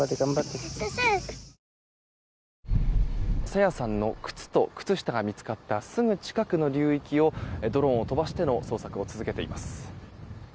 朝芽さんの靴と靴下が見つかったすぐ近くの流域をドローンを飛ばして捜索を続けています。